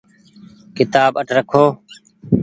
ڪيتآب اٺ رکو ۔